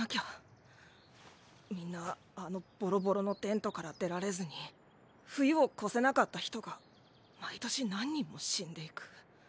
みんなあのボロボロのテントから出られずに冬を越せなかった人が毎年何人も死んでいく。